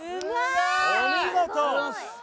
お見事！